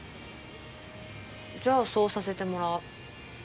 じゃあそうさせてもらう。